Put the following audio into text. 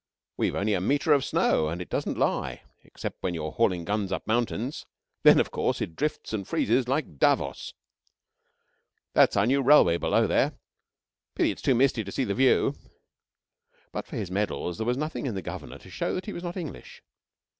We've only a metre of snow, and it doesn't lie, except when you are hauling guns up mountains. Then, of course, it drifts and freezes like Davos. That's our new railway below there. Pity it's too misty to see the view." But for his medals, there was nothing in the Governor to show that he was not English.